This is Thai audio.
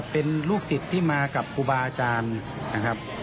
เป็นลูกศิษย์ที่มากับครูบาอาจารย์นะครับ